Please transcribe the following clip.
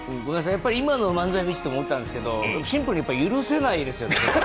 今の漫才見てて思ったんですけど、シンプルにやっぱり許せないですよね。